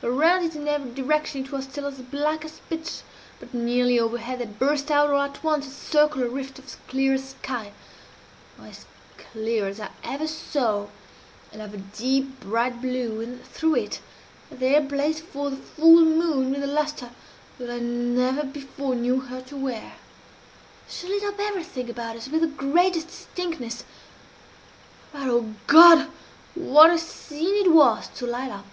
Around in every direction it was still as black as pitch, but nearly overhead there burst out, all at once, a circular rift of clear sky as clear as I ever saw and of a deep bright blue and through it there blazed forth the full moon with a lustre that I never before knew her to wear. She lit up everything about us with the greatest distinctness but, oh God, what a scene it was to light up!